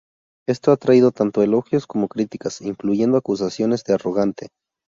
Esto ha atraído tanto elogios como críticas, incluyendo acusaciones de arrogante.